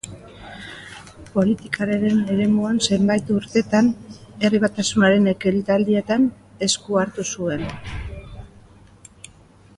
Politikaren eremuan zenbait urtetan Herri Batasunaren ekitaldietan esku hartu zuen.